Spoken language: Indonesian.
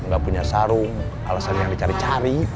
ga punya sarung alasannya dicari cari